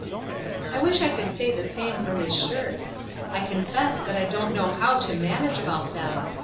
"I wish I could say the same for his shirts. I confess that I don't know how to manage about them.